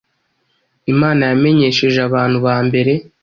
Imana yamenyesheje abantu ba mbere